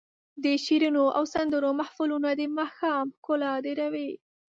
د شعرونو او سندرو محفلونه د ماښام ښکلا ډېروي.